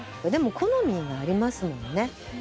でも好みがありますもんね。